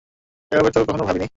এভাবে তো কখনও ভাবিনি।